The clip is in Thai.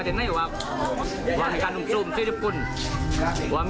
ใช่คือที่น้องเล่า